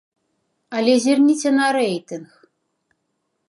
Але зірніце на рэйтынг.